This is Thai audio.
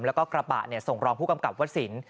แล้วก็กระบะส่งรองผู้กำกับวัสสิน